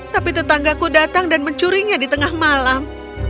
tapi tetanggaku datang dan mencurinya di tengah malam